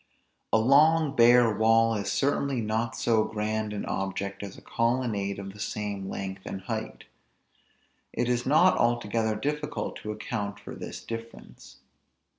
A long bare wall is certainly not so grand an object as a colonnade of the same length and height. It is not altogether difficult to account for this difference.